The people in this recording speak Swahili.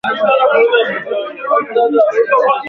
China Indonesia Vietnam Thailand Iran na Morocco